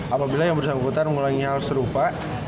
apabila yang bersangkutan mulainya hal serupa